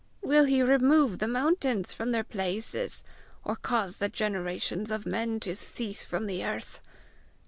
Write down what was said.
Will he remove the mountains from their places, or cause the generations of men to cease from the earth?